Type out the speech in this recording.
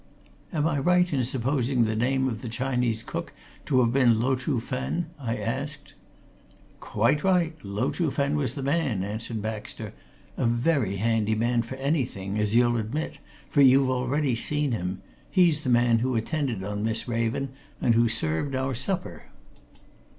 "Am I right in supposing the name of the Chinese cook to have been Lo Chuh Fen?" I asked. "Quite right Lo Chuh Fen was the man," answered Baxter. "A very handy man for anything, as you'll admit, for you've already seen him he's the man who attended on Miss Raven and who served our supper.